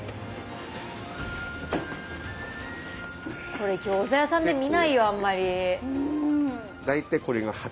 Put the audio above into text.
これ餃子屋さんで見ないよあんまり。